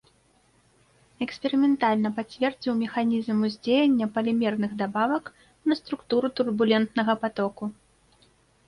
Эксперыментальна пацвердзіў механізм уздзеяння палімерных дабавак на структуру турбулентнага патоку.